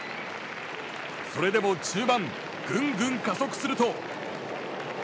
それでも中盤ぐんぐん加速すると。